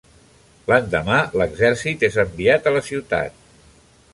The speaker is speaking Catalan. L'endemà, l'exèrcit és enviat a la ciutat.